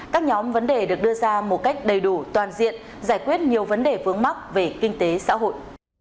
các nhóm vấn đề được đưa ra một cách đầy đủ toàn diện giải quyết nhiều vấn đề vướng mắc về kinh tế xã hội